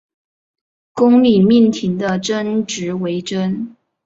公理命题的真值为真。